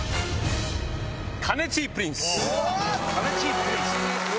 カネチープリンス。